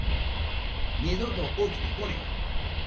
「二度と起きてこねえ」。